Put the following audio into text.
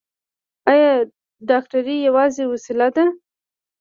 ایا ډاکټر یوازې وسیله ده؟